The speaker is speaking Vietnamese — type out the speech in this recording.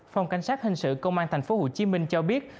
phòng cảnh sát hình sự công an thành phố hồ chí minh cho biết